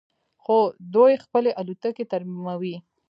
خو دوی خپلې الوتکې ترمیموي.